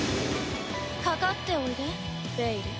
かかっておいでベイル。